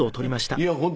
いや本当